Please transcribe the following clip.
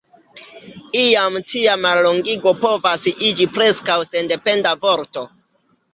Iam tia mallongigo povas iĝi preskaŭ sendependa vorto.